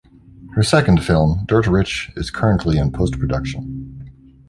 Her second film "Dirt Rich" is currently in post-production.